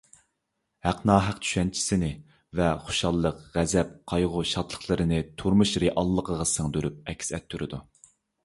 ھەق – ناھەق چۈشەنچىسىنى ۋە خۇشاللىق، غەزەپ، قايغۇ، شادلىقلىرىنى تۇرمۇش رېئاللىقىغا سىڭدۈرۈپ ئەكس ئەتتۈرىدۇ.